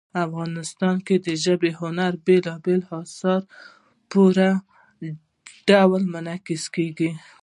افغانستان کې ژبې د هنر په بېلابېلو اثارو کې په پوره ډول منعکس کېږي.